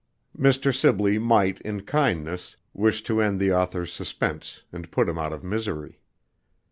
Mr. Sibley might, in kindness, wish to end the author's suspense, and put him out of misery.